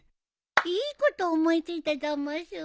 いいこと思い付いたざますわ。